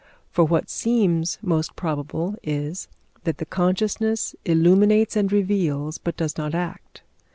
For what seems most probable is, that the consciousness illuminates and reveals but does not act.